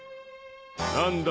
何だ？